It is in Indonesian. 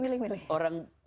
lo boleh milih milih